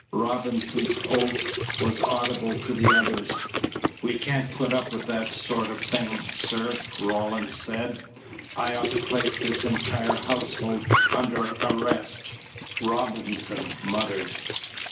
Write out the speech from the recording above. Robinson's oath was audible to the others. "We can't put up with that sort of thing, sir," Rawlins said. "I ought to place this entire household under arrest," Robinson muttered.